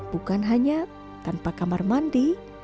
bukan hanya tanpa kamar mandi